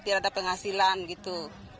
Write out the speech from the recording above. tidak ada penghasilan gitu